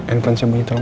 enkansi bunyi tolong